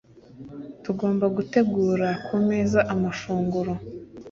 Tugomba gutegura ku meza amafunguro